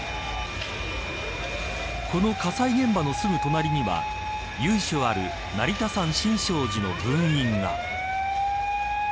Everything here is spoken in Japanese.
この火災現場のすぐ隣には由緒ある成田山新勝寺の分院が。